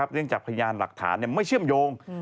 เนื่องจากพยานหลักฐานไม่เชื่อมโยง